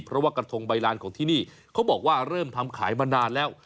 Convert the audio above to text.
เพราะว่ากระทงใบลานของที่นี่เขาบอกว่าเริ่มทำขายมานานแล้ว